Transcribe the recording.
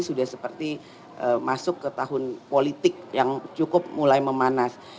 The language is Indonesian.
sudah seperti masuk ke tahun politik yang cukup mulai memanas